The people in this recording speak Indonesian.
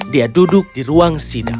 dia duduk di ruang sidang